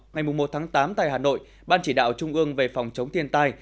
ngày một tháng tám tại hà nội ban chỉ đạo trung ương về phòng chống thiên tai